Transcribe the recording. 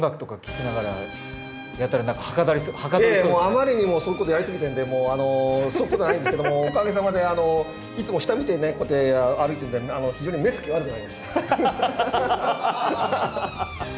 あまりにもそういうことやりすぎてんでそういうことはないんですけどもおかげさまでいつも下見てねこうやって歩いてるんで非常に目つき悪くなりました。